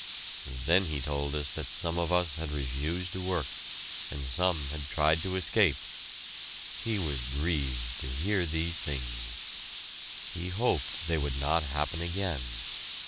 Then he told us that some of us had refused to work and some had tried to escape; he was grieved to hear these things! He hoped they would not happen again.